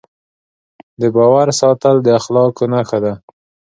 د باور ساتل د اخلاقو نښه ده.